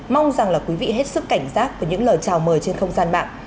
mong rằng là quý vị hết sức cảnh giác với những lời chào mời trên không gian mạng